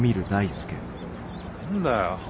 何だよ。